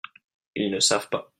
Ils ne savent pas.